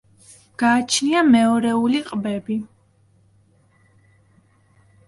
გააჩნია მეორეული ყბები.